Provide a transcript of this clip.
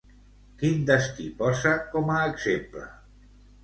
Quin destí posa com a exemple?